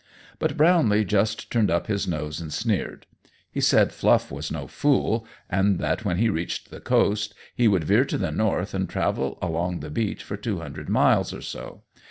But Brownlee just turned up his nose and sneered. He said Fluff was no fool, and that when he reached the coast he would veer to the north and travel along the beach for two hundred miles or so.